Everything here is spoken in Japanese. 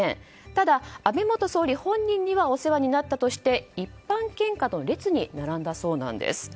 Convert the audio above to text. ただ、安倍元総理本人にはお世話になったとして一般献花の列に並んだそうなんです。